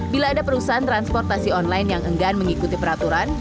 bila ada perusahaan transportasi online yang enggan mengikuti peraturan